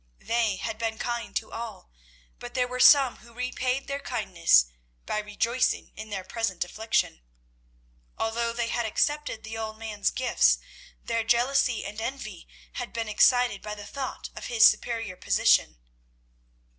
They had been kind to all, but there were some who repaid their kindness by rejoicing in their present affliction. Although they had accepted the old man's gifts, their jealousy and envy had been excited by the thought of his superior position.